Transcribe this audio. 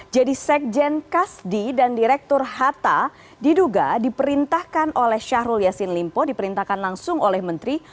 jadi sekjen kasdi dan direktur hata diduga diperintahkan oleh syahrul yassin limpo diperintahkan langsung oleh menteri